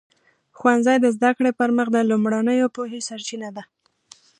ښوونځی د زده کړې پر مخ د لومړنیو پوهې سرچینه ده.